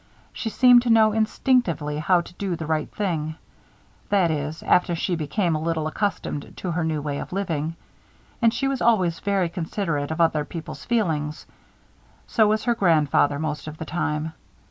She seemed to know, instinctively, how to do the right thing; that is, after she became a little accustomed to her new way of living. And she was always very considerate of other people's feelings. So was her grandfather, most of the time.